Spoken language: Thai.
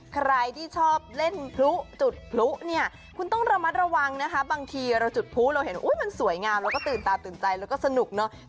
ใครที่ชอบเล่นภูจุดภู